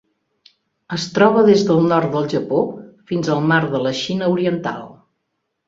Es troba des del nord del Japó fins al Mar de la Xina Oriental.